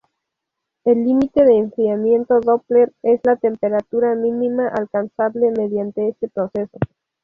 El límite de enfriamiento Doppler es la temperatura mínima alcanzable mediante este proceso.